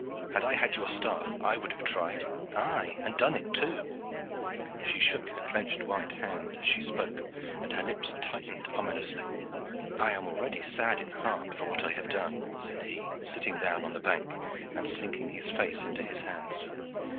Had I had your staff I would have tried aye, and done it, too." She shook her clenched white hand as she spoke, and her lips tightened ominously. "I am already sad in heart for what I have done," said he, sitting down on the bank, and sinking his face into his hands.